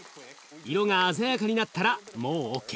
色が鮮やかになったらもうＯＫ。